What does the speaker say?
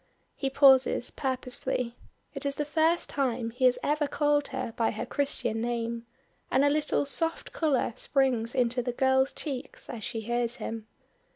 He pauses, purposely. It is the first time he has ever called her by her Christian name, and a little soft color springs into the girl's cheeks as she hears him.